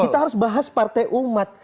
kita harus bahas partai umat